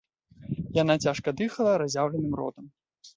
Яна цяжка дыхала разяўленым ротам.